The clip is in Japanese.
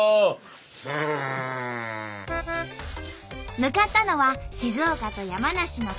向かったのは静岡と山梨の県境。